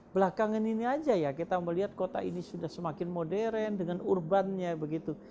belakangan ini aja ya kita melihat kota ini sudah semakin modern dengan urbannya begitu